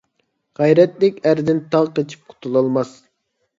غەيرەتلىك ئەردىن تاغ قېچىپ قۇتۇلالماس.